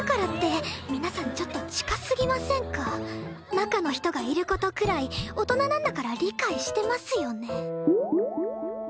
中の人がいる事くらい大人なんだから理解してますよね